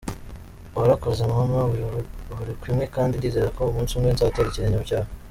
Warakoze, mama kuri buri kimwe kandi ndizera ko umunsi umwe nzatera ikirenge mu cyawe.